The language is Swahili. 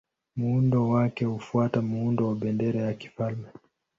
Muundo wake hufuata muundo wa bendera ya kifalme.